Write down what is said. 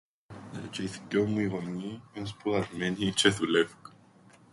Ε τζ̆' οι θκυο μου οι γονιοί εν' σπουδασμένοι τζ̆αι δουλεύκουν.